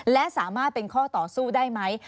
และสามารถเป็นข้อต่อสู้ได้ไหม